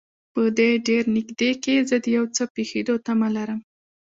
په دې ډېر نږدې کې زه د یو څه پېښېدو تمه لرم.